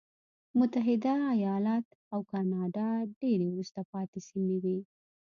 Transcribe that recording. متحده ایالات او کاناډا ډېرې وروسته پاتې سیمې وې.